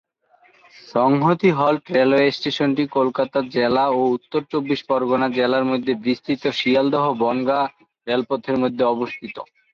সংহতি halt railway স্টেশনটি কলকাতা জেলা ও উত্তর চব্বিশ পরগণা জেলার মধ্যে বিস্তৃত শিয়ালদহ বনগাঁ রেলপথের মধ্যে অবস্থিত।